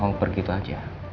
kenapa kau pergi begitu aja